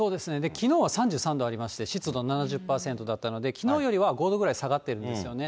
きのうは３３度ありまして、湿度７０％だったので、きのうよりは５度ぐらい下がってるんですよね。